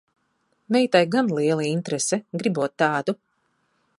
Meitai gan liela interese, gribot tādu.